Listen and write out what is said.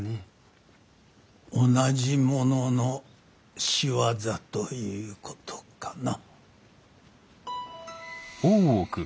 同じ者の仕業ということかな。